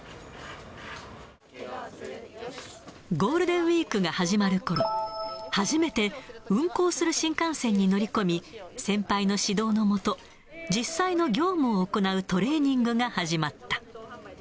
ゴールデンウィークが始まるころ、初めて、運行する新幹線に乗り込み、先輩の指導の下、実際の業務を行うトレーニングが始まった。